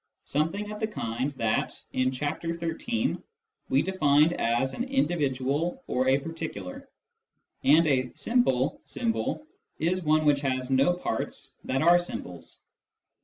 something of the kind that, in Chapter XIII., we defined as an " individual " or a " particular." And a " simple " symbol is one which has no parts that are symbols.